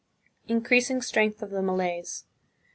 Increasing Strength of the Malays.